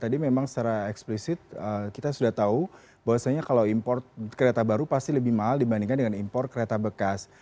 jadi memang secara eksplisit kita sudah tahu bahwasanya kalau import kereta baru pasti lebih mahal dibandingkan dengan import kereta bekas